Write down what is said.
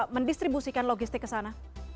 mendistribusikan logistik ke sana